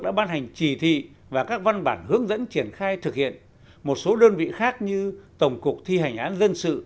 đã ban hành chỉ thị và các văn bản hướng dẫn triển khai thực hiện một số đơn vị khác như tổng cục thi hành nhà nước